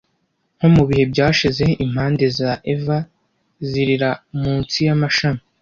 nko mu bihe byashize impande za eva zirira munsi y amashami